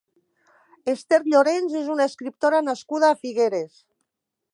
Esther Llorenç és una escriptora nascuda a Figueres.